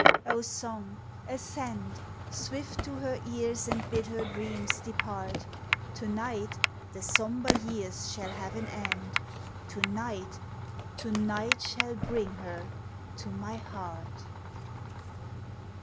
Oh song, ascend Swift to her ears and bid her dreams depart. To night the sombre years shall have an end, To night, to night shall bring her to my heart